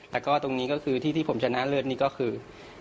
แล้วก็ตรงนี้คือที่ผมจะนะเลือดนี่คือ